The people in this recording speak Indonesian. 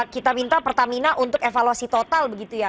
kita minta pertamina untuk evaluasi total begitu ya